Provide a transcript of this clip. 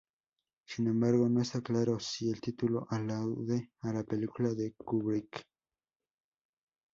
Sin embargo, no está claro si el título alude a la película de Kubrick.